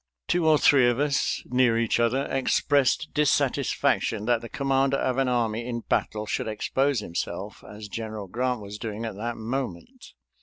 Two or three of us, near each other, expressed dissatisfaction that the commander of an army in battle should expose himself, as General Grant was doing at that moment.